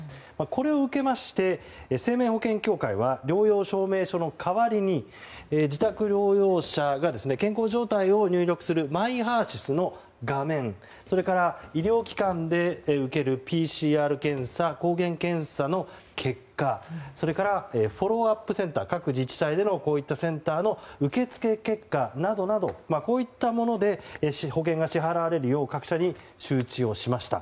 これを受けまして生命保険協会は療養証明書の代わりに自宅療養者が健康状態を入力するＭｙＨＥＲ‐ＳＹＳの画面それから医療機関で受けるＰＣＲ検査、抗原検査の結果それからフォローアップセンター各自治体での、センターの受け付け結果などなどこういったもので保険が支払われるよう各社に周知しました。